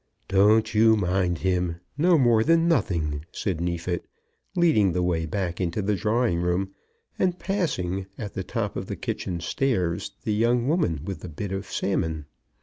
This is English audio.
"Don't you mind him, no more than nothing," said Neefit, leading the way back into the drawing room, and passing at the top of the kitchen stairs the young woman with the bit of salmon.